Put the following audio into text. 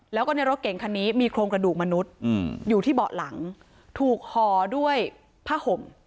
แล้วก็ในรถเก่งคันนี้มีโครงกระดูกมนุษย์อยู่ที่เบาะหลังถูกห่อด้วยผ้าห่ม